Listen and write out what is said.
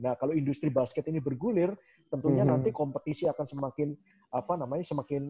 nah kalau industri basket ini bergulir tentunya nanti kompetisi akan semakin apa namanya semakin